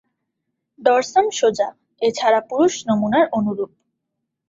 Dorsum সোজা; এছাড়া পুরুষ নমুনার অনুরূপ।